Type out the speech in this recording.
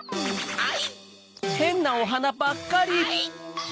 はい‼